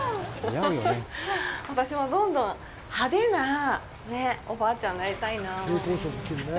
私もどんどん派手なおばあちゃんになりたいなあ。